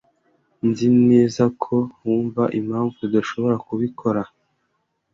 Nzi neza ko wumva impamvu tudashobora kubikora